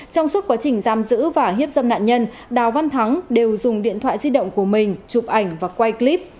trong suốt quá trình giam giữ và hiếp dâm nạn nhân đào văn thắng đều dùng điện thoại di động của mình chụp ảnh và quay clip